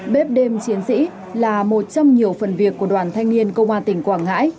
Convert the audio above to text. bếp đêm chiến sĩ là một trong nhiều phần việc của đoàn thanh niên công an tỉnh quảng ngãi